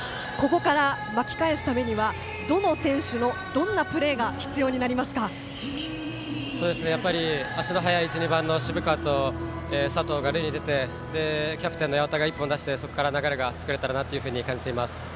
ここから巻き返すためにはどの選手の、どんなプレーがやっぱり足の速い１、２番の渋川と佐藤が塁に出てキャプテンの八幡が一本出してそこから流れが作れたらなと感じています。